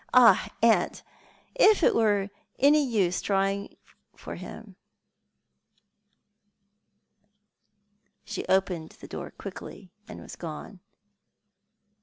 Ah, Aunt, if it were any use trying for him." Slio opened the door quickly, and was gone.